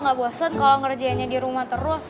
gak bosen kalo ngerjainnya di rumah terus